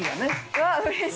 うわっうれしい！